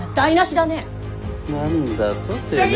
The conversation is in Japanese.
何だとてめえ。